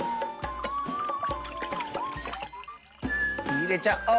いれちゃおう！